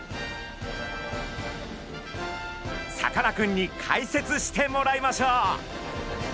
さかなクンに解説してもらいましょう！